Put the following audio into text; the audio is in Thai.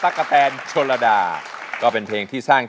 น้องใบเตยร้อง